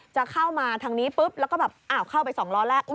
จะเข้ามาทางนี้ปุ๊บแล้วก็แบบอ้าวเข้าไป๒ล้อแรก